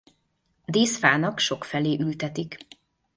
Díszfának sokfelé ültetik.